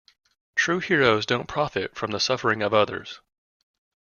True heroes don't profit from the suffering of others.